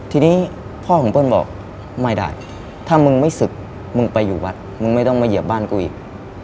ทีนี้พ่อของเปิ้ลบอกไม่ได้ถ้ามึงไม่ศึกมึงไปอยู่วัดมึงไม่ต้องมาเหยียบบ้านกูอีก